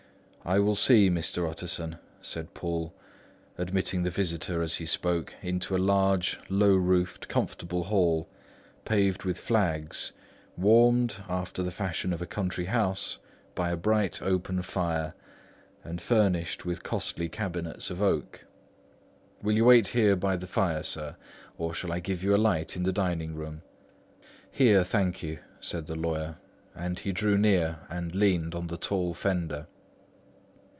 "I will see, Mr. Utterson," said Poole, admitting the visitor, as he spoke, into a large, low roofed, comfortable hall paved with flags, warmed (after the fashion of a country house) by a bright, open fire, and furnished with costly cabinets of oak. "Will you wait here by the fire, sir? or shall I give you a light in the dining room?" "Here, thank you," said the lawyer, and he drew near and leaned on the tall fender.